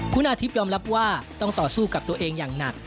คุณอาทิพยอมรับว่าต้องต่อสู้กับตัวเองอย่างหนัก